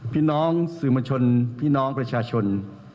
พี่น้องสื่อมวลชนพี่น้องประชาชน